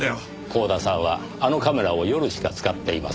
光田さんはあのカメラを夜しか使っていません。